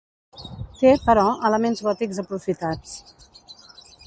Té, però, elements gòtics aprofitats.